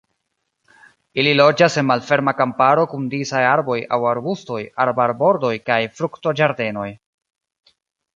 Ili loĝas en malferma kamparo kun disaj arboj aŭ arbustoj, arbarbordoj kaj fruktoĝardenoj.